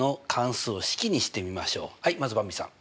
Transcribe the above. はいまずばんびさん。